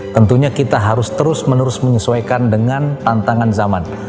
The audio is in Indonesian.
tentunya kita harus terus menerus menyesuaikan dengan tantangan zaman